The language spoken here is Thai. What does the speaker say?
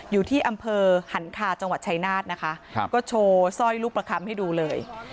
อยู่ที่อำเภอหันคาจังหวัดชายนาฏนะคะก็โชว์สร้อยลูกประคำให้ดูเลย